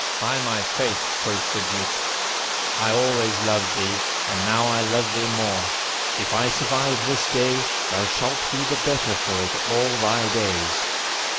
"'By my faith,' quoth the Duke, 'I always loved thee, and now I love thee more; if I survive this day, thou shalt be the better for it all thy days.'